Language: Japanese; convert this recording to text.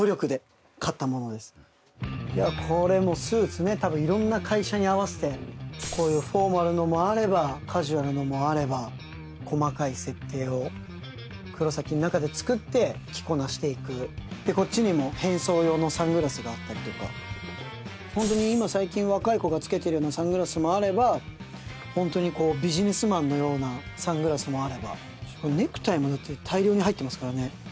いやこれもうスーツねたぶん色んな会社に合わせてこういうフォーマルのもあればカジュアルのもあれば細かい設定を黒崎の中で作って着こなしていくこっちにも変装用のサングラスがあったりとかホントに今最近若い子がつけてるようなサングラスもあればホントにこうビジネスマンのようなサングラスもあればネクタイもだって大量に入ってますからね